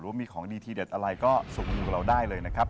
ว่ามีของดีทีเด็ดอะไรก็ส่งมาอยู่กับเราได้เลยนะครับ